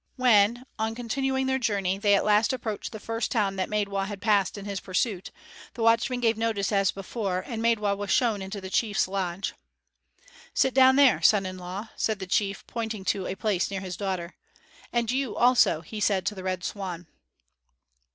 When, on continuing their journey, they at last approached the first town that Maidwa passed in his pursuit, the watchman gave notice as before, and Maidwa was shown into the chief's lodge. "Sit down there, son in law," said the chief, pointing to a place near his daughter. "And you also," he said to the Red Swan.